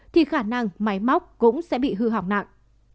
thì khả năng máy móc cũng sẽ bị hư hỏng nặng